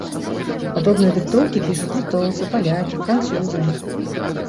Падобныя дыктоўкі пішуць літоўцы, палякі, французы.